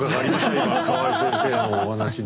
今河合先生のお話で。